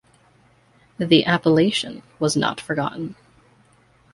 The appellation was not forgotten.